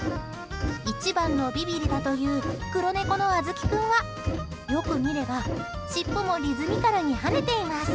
一番のビビりだという黒猫のあずき君はよく見れば、尻尾もリズミカルに跳ねています。